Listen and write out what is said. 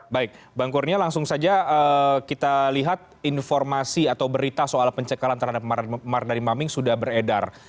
baik bang kurnia langsung saja kita lihat informasi atau berita soal pencekalan terhadap mardhani maming sudah beredar